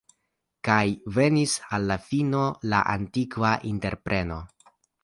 Kaj venis al la fino la antikva entrepreno.